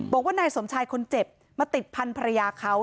บอกว่านายสมชายคนเจ็บมาติดพันธรรยาเขา